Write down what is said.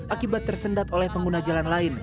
akibat tersendat oleh pengguna jalan lain